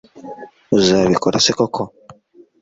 uzabikora se koko